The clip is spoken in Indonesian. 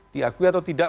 diakui atau tidak